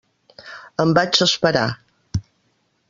Em vaig esperar.